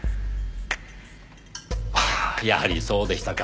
ああやはりそうでしたか。